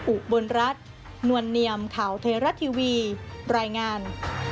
อุบลรัฐนวลเนียมข่าวไทยรัฐทีวีรายงาน